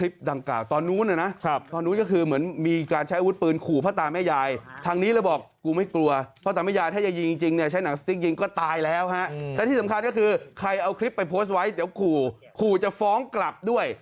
ผมขอแจ้งขึ้นได้ป่ะครับ